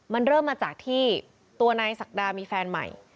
มันเริ่มมาจากที่ตัวนายศักดามีแฟนใหม่